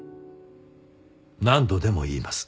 何度でも言います。